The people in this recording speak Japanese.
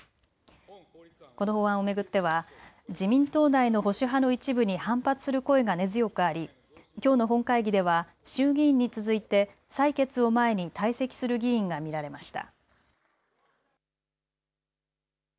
この法案を巡っては自民党内の保守派の一部に反発する声が根強くあり、きょうの本会議では衆議院に続いて採決を前に退席する議員が見られました。